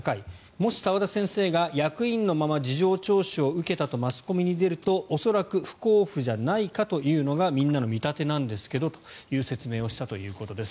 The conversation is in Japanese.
もし澤田先生が役員のまま事情聴取を受けたとマスコミに出ると、恐らく不交付じゃないかというのがみんなの見立てなんですけどという説明をしたということです。